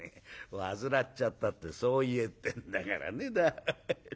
患っちゃったってそう言えってんだからね。